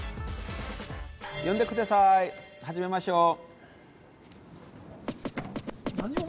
呼んでください、始めましょう。